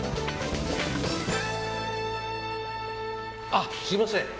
あすいません。